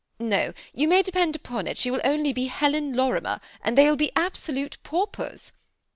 No, you may depend upon it, she will be only Helftn Lorimer, and they will be absolute paupers.